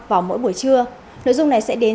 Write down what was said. vào mỗi buổi trưa nội dung này sẽ đến